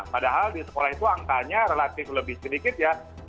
padahal di sekolah itu angkanya relatif lebih sedikit ya